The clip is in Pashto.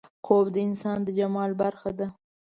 خوب د انسان د جمال برخه ده